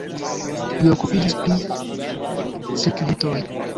Li okupiĝis pri cirkvitoj.